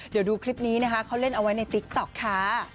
เดี๋ยวดูคลิปนี้นะคะเขาเล่นเอาไว้ในติ๊กต๊อกค่ะ